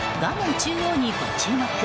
中央にご注目。